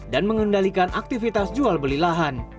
dan mengendalikan aktivitas jual beli lahan